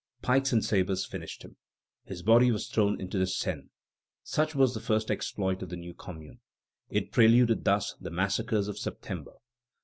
Pikes and sabres finished him. His body was thrown into the Seine. Such was the first exploit of the new Commune. It preluded thus the massacres of September.